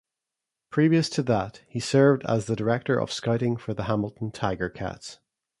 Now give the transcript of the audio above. Previous to that, he served as the director of scouting for the Hamilton Tiger-Cats.